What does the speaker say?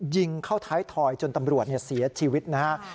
ยิงเข้าท้ายถอยจนตำรวจเสียชีวิตนะฮะ